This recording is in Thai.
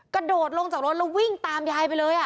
กระโดดลงจากรถแล้ววิ่งตามยายไปเลย